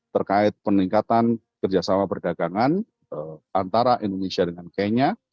terkait peningkatan kerjasama perdagangan antara indonesia dengan kenya